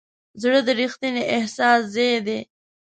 زړه د ریښتیني احساس ځای دی.